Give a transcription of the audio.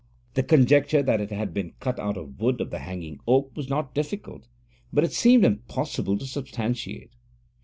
The conjecture that it had been cut out of the wood of the Hanging Oak was not difficult, but seemed impossible to substantiate.